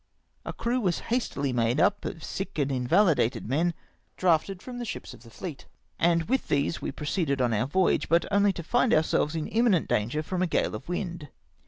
A crew was hastily made up of sick and invahded men drafted from the ships of the fleet, and with these we proceeded on our voyage, but only to find ourselves in imminent danger from a gale of wind.